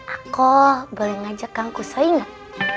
aku boleh ngajak kangkus lo ingat